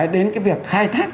đến cái việc khai thác